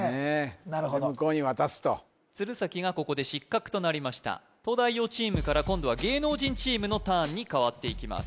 なるほどそれで向こうに渡すと鶴崎がここで失格となりました東大王チームから今度は芸能人チームのターンにかわっていきます